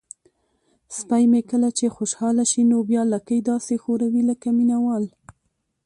سپی مې کله چې خوشحاله شي نو بیا لکۍ داسې ښوروي لکه مینه وال.